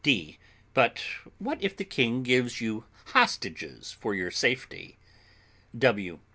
D. But what if the king gives you hostages for your safety? W.